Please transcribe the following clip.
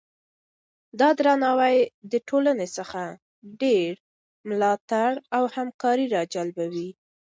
دا درناوی د ټولنې څخه ډیر ملاتړ او همکاري راجلبوي.